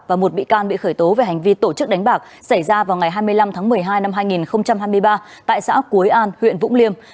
và một bị can bị khởi tố về hành vi tổ chức đánh bạc xảy ra vào ngày hai mươi năm tháng một mươi hai năm hai nghìn hai mươi ba tại xã cúi an huyện vũng liêm